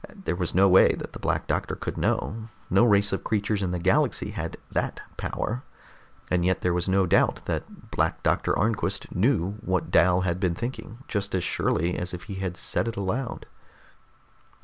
There was no way that the Black Doctor could know. No race of creatures in the galaxy had that power. And yet there was no doubt that Black Doctor Arnquist knew what Dal had been thinking, just as surely as if he had said it aloud.